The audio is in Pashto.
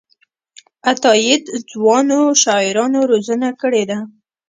عطاييد ځوانو شاعرانو روزنه کړې ده.